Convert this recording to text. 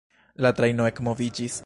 La trajno ekmoviĝis.